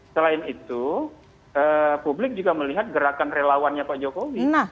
selain itu publik juga melihat gerakan relawannya pak jokowi